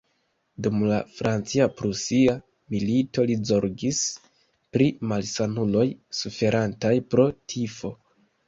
Dum la Francia-Prusia Milito li zorgis pri malsanuloj suferantaj pro tifo.